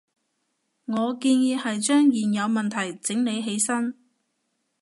我建議係將現有問題整理起身